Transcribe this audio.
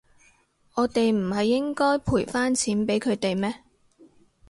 我哋唔係應該賠返錢畀佢哋咩？